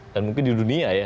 dan mungkin di dunia ya